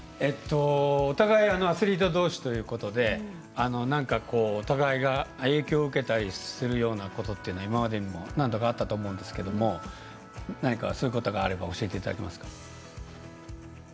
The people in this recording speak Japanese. お互いアスリートどうしということでお互いが影響を受けたりするようなことって今までにも何度かあったと思うんですけど何か、そういうことがあれば教えていただけますか？